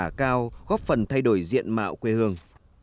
quả cao góp phần thay đổi diện mạo quê hương